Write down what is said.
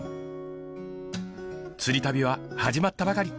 釣り旅は始まったばかり。